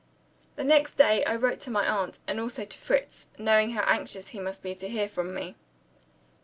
The next day, I wrote to my aunt, and also to Fritz, knowing how anxious he must be to hear from me.